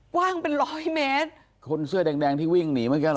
กว้างเป็นร้อยเมตรคนเสื้อแดงแดงที่วิ่งหนีเมื่อกี้เหรอ